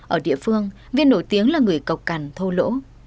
ở địa phương viên nổi tiếng là người cộc cằn thô lỗ